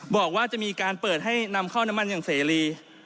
บอกว่าจะมีการเปิดให้นำเข้าน้ำมันอย่างเสรี